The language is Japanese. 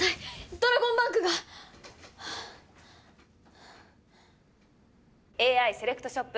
ドラゴンバンクがＡＩセレクトショップ